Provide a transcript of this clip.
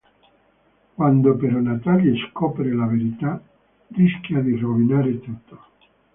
Quando però Natalie scopre la verità, rischia di rovinare tutto.